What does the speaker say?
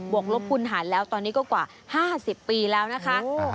กลบคุณหารแล้วตอนนี้ก็กว่า๕๐ปีแล้วนะคะ